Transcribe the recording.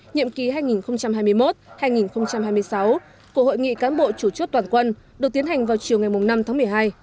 nhiệm kỳ hai nghìn hai mươi một hai nghìn hai mươi sáu của hội nghị cán bộ chủ chốt toàn quân được tiến hành vào chiều ngày năm tháng một mươi hai